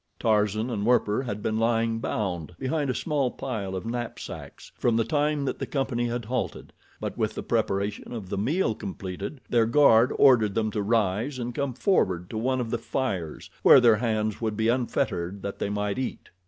Tarzan and Werper had been lying bound behind a small pile of knapsacks from the time that the company had halted; but with the preparation of the meal completed, their guard ordered them to rise and come forward to one of the fires where their hands would be unfettered that they might eat.